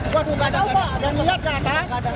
waduh gak tahu pak ada niat ke atas